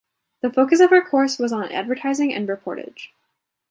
The focus of her course was on advertising and reportage.